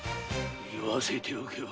言わせておけば！